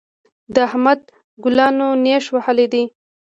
د احمد ګلانو نېښ وهلی دی.